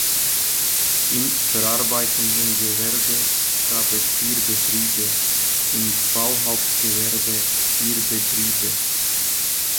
Im verarbeitenden Gewerbe gab es vier Betriebe, im Bauhauptgewerbe vier Betriebe.